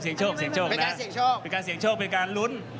เป็นการเสียงโชคเป็นการลุ้น